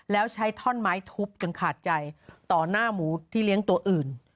แล้วใช้ท่อนไม้ทุบจนขาดใจต่อหน้าหมูที่เลี้ยงตัวอื่น